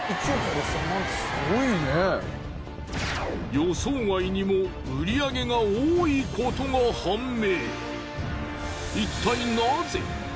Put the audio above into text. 予想外にも売り上げが多いことが判明。